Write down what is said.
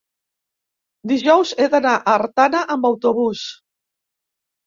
Dijous he d'anar a Artana amb autobús.